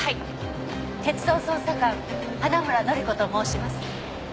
鉄道捜査官花村乃里子と申します。